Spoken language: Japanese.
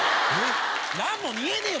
何も見えねえよ！